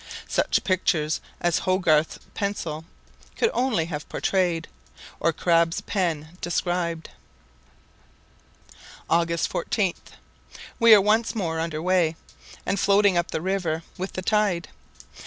Such pictures as Hogarth's pencil only could have pourtrayed, or Crabbe's pen described. August 14. We are once more under weigh, and floating up the river with the tide.